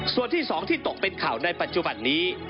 ส่วนที่๒ที่ตกเป็นข่าวในปัจจุบันนี้